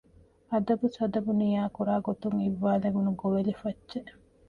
އަދަބުސަދަބު ނިޔާކުރާގޮތުން އިއްވާލެވުނު ގޮވެލިފައްޗެއް